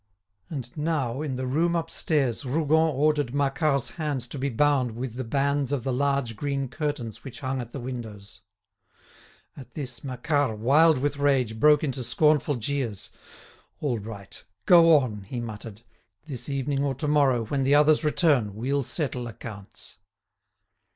And now, in the room upstairs, Rougon ordered Macquart's hands to be bound with the bands of the large green curtains which hung at the windows. At this, Macquart, wild with rage, broke into scornful jeers. "All right; go on," he muttered. "This evening or to morrow, when the others return, we'll settle accounts!"